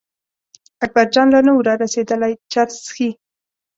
اکبرجان لا نه و را رسېدلی چرس څښي.